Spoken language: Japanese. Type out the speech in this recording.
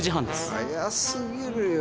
早過ぎるよ。